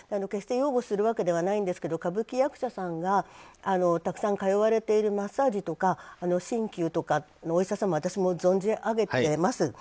決して擁護するわけではないんですけど歌舞伎役者さんがたくさん通われているマッサージとか鍼灸のお医者様を私も存じ上げています。